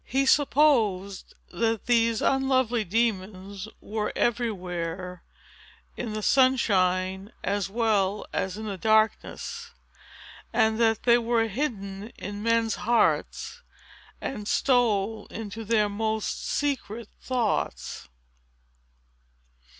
He supposed that these unlovely demons were everywhere, in the sunshine as well as in the darkness, and that they were hidden in men's hearts, and stole into their most secret thoughts."